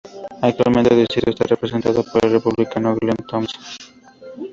Actualmente el distrito está representado por el Republicano Glenn Thompson.